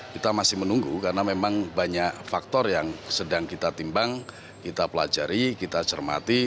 kita masih menunggu karena memang banyak faktor yang sedang kita timbang kita pelajari kita cermati